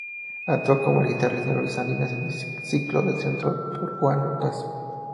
Actúa con el Guitarrista Luis Salinas en el ciclo del centro Torcuato Tasso.